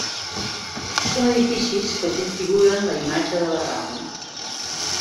Són edificis que configuren la imatge de la rambla.